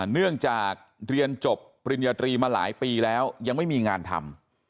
เนื่องจากเรียนจบปริญญาตรีมาหลายปีแล้วยังไม่มีงานทำ